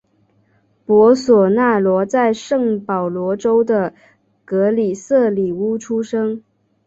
博索纳罗在圣保罗州的格利塞里乌出生。